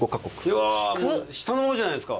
うわ下のほうじゃないですか。